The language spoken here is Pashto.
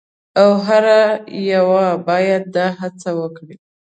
او هر یو باید دا هڅه وکړي.